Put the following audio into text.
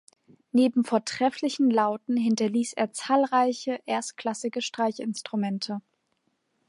Neben vortrefflichen Lauten hinterließ er zahlreiche erstklassige Streichinstrumente.